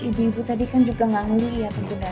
ibu ibu tadi kan juga gak ngeliat